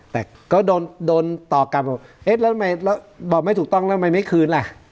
แต่ก็โดนต่อกลับบอกเอ๊ะแล้วทำไมบอกไม่ถูกต้องแล้วทำไมไม่คืนล่ะ